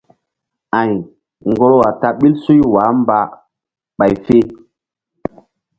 Ay ŋgorwa ta ɓil suy wah mba ɓay fe.